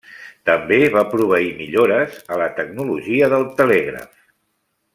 També va proveir millores a la tecnologia del telègraf.